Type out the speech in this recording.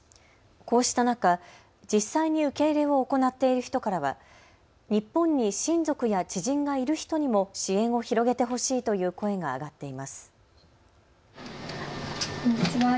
こうした中、実際に受け入れを行っている人からは日本に親族や知人がいる人にも支援を広げてほしいという声が上がっています。